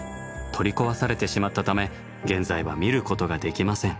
取り壊されてしまったため現在は見ることができません。